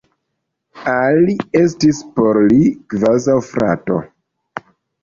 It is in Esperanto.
Ali estis por li kvazaŭ frato.